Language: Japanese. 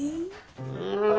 うん。